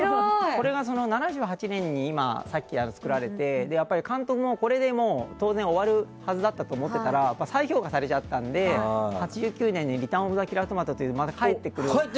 これが７８年に作られて監督も、当然これで終わるはずだって思ってたら再評価されちゃったんで８９年に「リターン・オブ・ザ・キラートマト」でまた帰ってくる。